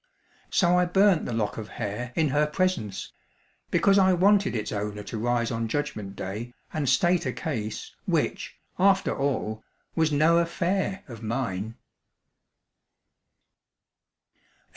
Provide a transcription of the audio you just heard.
So I burnt the lock of hair in her presence; because I wanted its owner to rise on Judgment day and state a case which, after all, was no affair of mine.